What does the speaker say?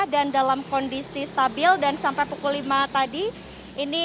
dan dalam kondisi stabil dan sampai pukul lima tadi